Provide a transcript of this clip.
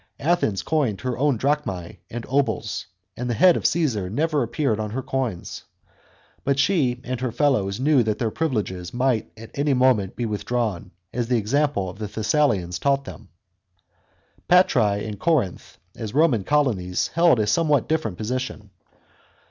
Athens coined her own drachmae and obols, and the head of Caesar never appeared on her coins. But she and her fellows knew that their privileges might at any moment be withdrawn, as the example of the Thessalians taught them. Patrae and Corinth, as Eoman colonies, held a somewhat different position.